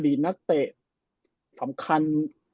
อดีตนักเตะสำคัญ